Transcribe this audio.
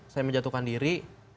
saya menjatuhkan diri